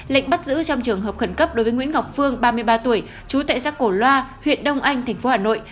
lệnh bắt giữ trong trường hợp khẩn cấp đối với nguyễn ngọc phương ba mươi ba tuổi chú tệ xác cổ loa huyện đông anh tp hà nội